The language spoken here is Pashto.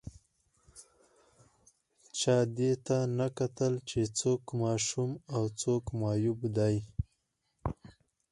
چا دې ته نه کتل چې څوک ماشوم او څوک معیوب دی